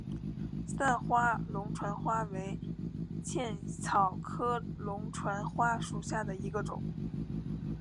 散花龙船花为茜草科龙船花属下的一个种。